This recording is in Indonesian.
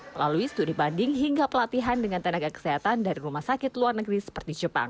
melalui studi banding hingga pelatihan dengan tenaga kesehatan dari rumah sakit luar negeri seperti jepang